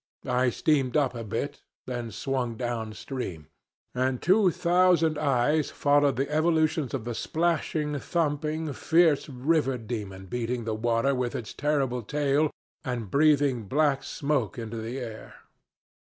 I steamed up a bit, then swung down stream, and two thousand eyes followed the evolutions of the splashing, thumping, fierce river demon beating the water with its terrible tail and breathing black smoke into the air.